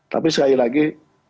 tapi sekali lagi